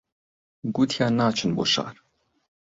گوتیان ناچن بۆ شار